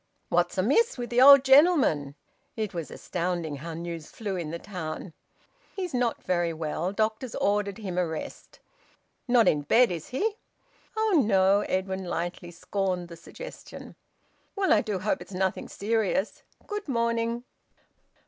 "What's amiss with th' old gentleman?" It was astounding how news flew in the town! "He's not very well. Doctor's ordered him a rest." "Not in bed, is he?" "Oh no!" Edwin lightly scorned the suggestion. "Well, I do hope it's nothing serious. Good morning."